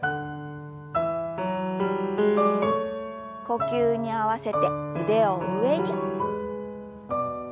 呼吸に合わせて腕を上に。